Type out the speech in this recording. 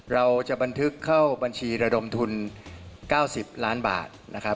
เราจะบันทึกเข้าบัญชีระดมทุน๙๐ล้านบาทนะครับ